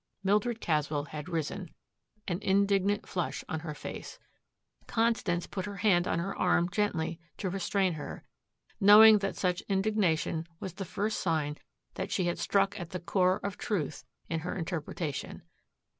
'" Mildred Caswell had risen, an indignant flush on her face. Constance put her hand on her arm gently to restrain her, knowing that such indignation was the first sign that she had struck at the core of truth in her interpretation.